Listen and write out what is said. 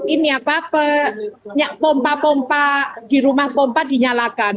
ini apa pompa pompa di rumah pompa dinyalakan